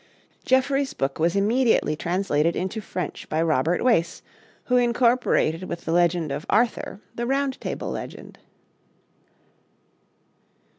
Geoffrey's book was immediately translated into French by Robert Wace, who incorporated with the legend of Arthur the Round Table legend.